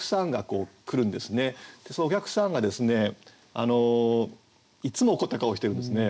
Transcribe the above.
でそのお客さんがですねいつも怒った顔をしてるんですね。